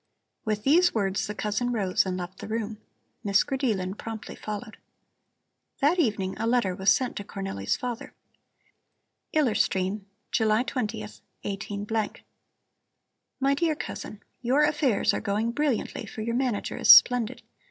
With these words the cousin rose and left the room. Miss Grideelen promptly followed. That evening a letter was sent to Cornelli's father: ILLER STREAM, July 20th, 18 . MY DEAR COUSIN: Your affairs are going brilliantly, for your manager is splendid.